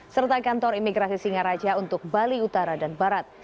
serta kantor imigrasi singaraja untuk bali utara dan barat